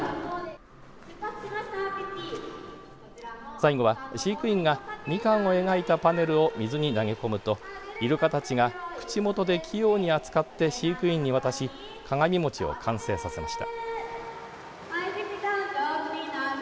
最後は、飼育員がみかんを描いたパネルを水に投げ込むとイルカたちが口元で器用に扱って飼育員に渡し鏡餅を完成させました。